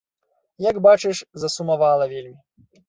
Як бачыш, засумавала вельмі.